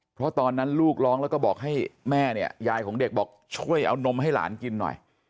เพราะตอนนั้นลูกร้องแล้วก็บอกให้แม่เนี่ยยายของเด็กบอกช่วยเอานมให้หลานกินหน่อย